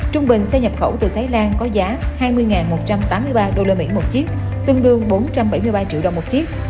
trung bình xe nhập khẩu từ thái lan có giá hai mươi một trăm tám mươi ba usd một chiếc tương đương bốn trăm bảy mươi ba triệu đồng một chiếc